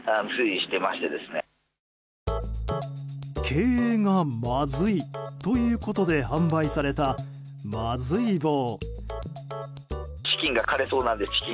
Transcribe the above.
経営がまずいということで販売された、まずい棒。